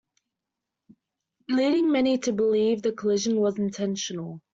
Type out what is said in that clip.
Leading many to believe the collision was intentional.